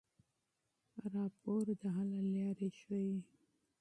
راپور د حل لارې ښيي.